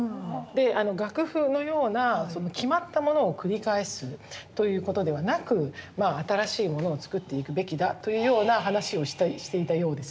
で楽譜のような決まったものを繰り返すということではなく新しいものをつくっていくべきだというような話をしたりしていたようです。